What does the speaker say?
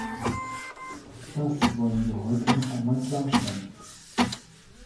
Das wollen wir heute noch einmal klarstellen.